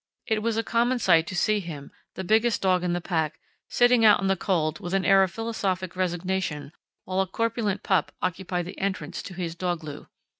It was a common sight to see him, the biggest dog in the pack, sitting out in the cold with an air of philosophic resignation while a corpulent pup occupied the entrance to his "dogloo."